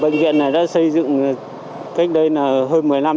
bệnh viện này đã xây dựng cách đây là hơn một mươi năm nay rồi